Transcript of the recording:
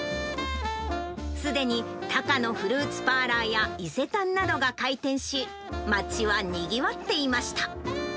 すでにタカノフルーツパーラーや伊勢丹などが開店し、街はにぎわっていました。